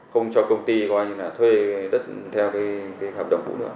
không cho công ty thuê đất theo hợp đồng cũng được